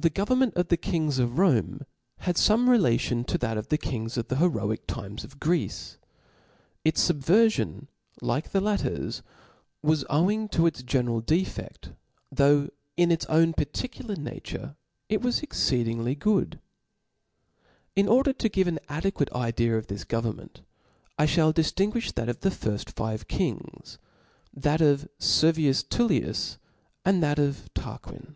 HP H E government of the kings of Rome had ^ fame relation to that of the kings of the , heroic times of Greece. Its fubvcrfion, like the lattcr's. . O FLAWS. 24J jUtter's, was owing to its general defedl, though B0019 in its own particular naturfe, it was exceeding chap!'i^ good. la order^to^jve ah adequate idea of thiS govern inenftj I fhall diftinguifh that of the five nrft kingSi that df Servius Tujlius, and that of Tarquin.